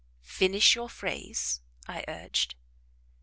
"Finish your phrase," I urged.